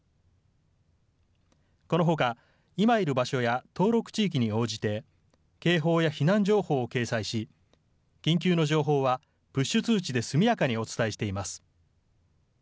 このほか、今いる場所や登録地域に応じて警報や避難情報を掲載し緊急の情報はプッシュ通知で速やかにお伝えしています。